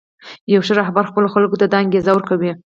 یو ښه رهبر خپلو خلکو ته دا انګېزه ورکوي.